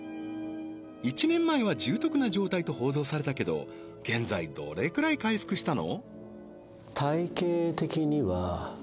１年前は重篤な状態と報道されたけど現在どれくらい回復したの？